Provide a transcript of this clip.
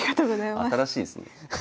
新しいですね。